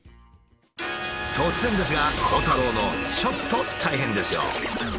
突然ですが鋼太郎のちょっと大変ですよ。